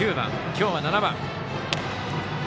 今日は７番。